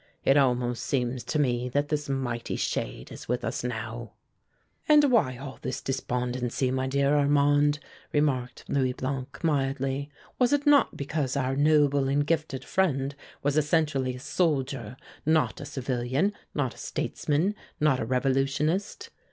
It almost seems to me that this mighty shade is with us now!" "And why was all this despondency, my dear Armand?" remarked Louis Blanc, mildly. "Was it not because our noble and gifted friend was essentially a soldier, not a civilian, not a statesman, not a revolutionist?